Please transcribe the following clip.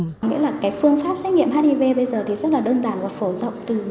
có nghĩa là cái phương pháp xét nghiệm hiv bây giờ thì rất là đơn giản và phổ rộng